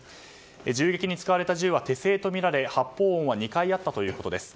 銃撃に使われた銃は手製とみられ発砲音は２回あったということです。